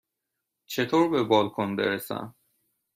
چطور به بالکن برسم؟